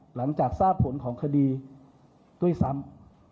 หลังจากทราบผลของคดีด้วยซ้ำ